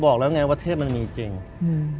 บอกแล้วไงว่าเทพมันมีจริงอืม